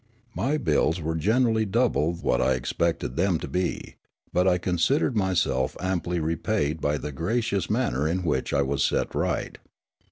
My bills were generally double what I expected them to be ; but I considered myself amply repaid by the gracious manner in which I was set right.